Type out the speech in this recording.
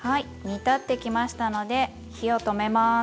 煮立ってきましたので火を止めます。